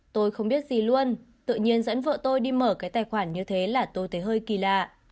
tôi không biết gì luôn tự nhiên dẫn vợ tôi đi mở cái tài khoản như thế là tôi thấy hơi kỳ lạ